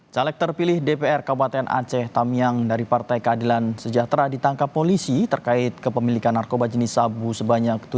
caleg terpilih dpr kabupaten aceh tamiang dari partai keadilan sejahtera ditangkap polisi terkait kepemilikan narkoba jenis sabu sebanyak